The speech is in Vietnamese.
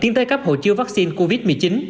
tiến tới cấp hộ chiếu vaccine covid một mươi chín